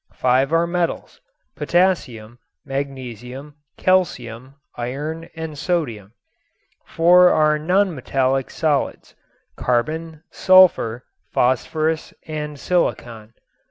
Five are metals: potassium, magnesium, calcium, iron and sodium. Four are non metallic solids: carbon, sulfur, phosphorus and silicon.